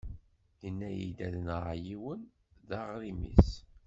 Yenna-yi ad nɣeɣ yiwen! D aɣrim-is.